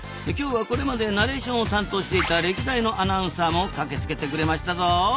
今日はこれまでナレーションを担当していた歴代のアナウンサーも駆けつけてくれましたぞ！